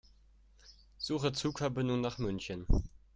Suche Zugverbindungen nach München.